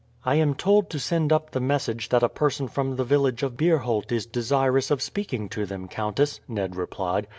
"I am told to send up the message that a person from the village of Beerholt is desirous of speaking to them, countess," Ned replied.